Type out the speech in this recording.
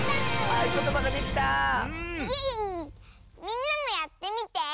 みんなもやってみて。